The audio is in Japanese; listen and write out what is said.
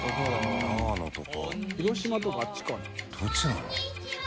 どっちなの？